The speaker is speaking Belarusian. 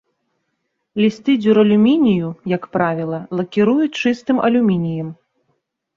Лісты дзюралюмінію, як правіла, лакіруюць чыстым алюмініем.